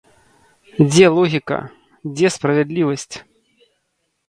Дзе логіка, дзе справядлівасць?